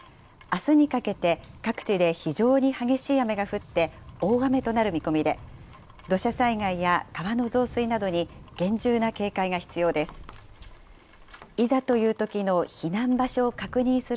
あすにかけて各地で非常に激しい雨が降って、大雨となる見込みで、土砂災害や川の増水などに厳重な警戒が必要です。